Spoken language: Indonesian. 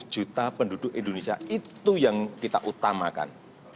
satu ratus enam puluh juta penduduk indonesia itu yang kita utamakan